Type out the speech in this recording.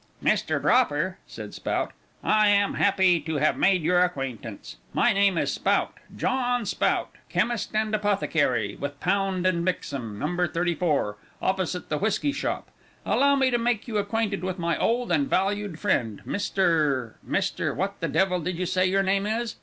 "Mr. Dropper," said Spout, "I am happy to have made your acquaintance. My name is Spout John Spout chemist and apothecary, with Pound & Mixem, No. 34, opposite the whisky shop. Allow me to make you acquainted with my old and valued friend Mr. Mr. what the devil did you say your name is?"